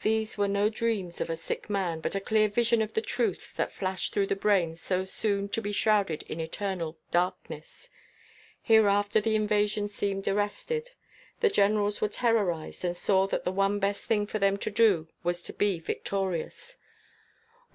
These were no dreams of a sick man, but a clear vision of the truth that flashed through the brain so soon to be shrouded in eternal darkness. Hereafter the invasion seemed arrested; the Generals were terrorized and saw that the one best thing for them to do was to be victorious.